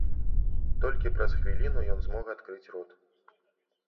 Толькі праз хвіліну ён змог адкрыць рот.